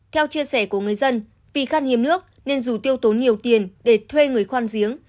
theo chia sẻ của người dân vì khăn hiếm nước nên dù tiêu tốn nhiều tiền để thuê người khoan giếng